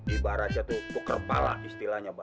ibaratnya tuh tuker pala istilahnya mbak